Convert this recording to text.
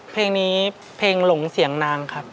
เพลงนี้เพลงหลงเสียงนางครับ